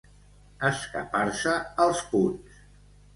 Escapar-se els punts.